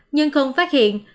nhưng không phát hiện